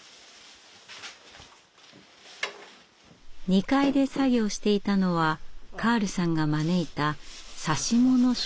２階で作業していたのはカールさんが招いた指物職人。